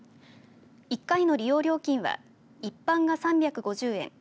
一回の利用料金は一般が３５０円